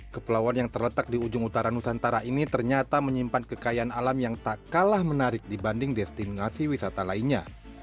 kepulauan yang terletak di ujung utara nusantara ini ternyata menyimpan kekayaan alam yang tak kalah menarik dibanding destinasi wisata lainnya